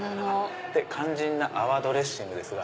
肝心な泡ドレッシングですが。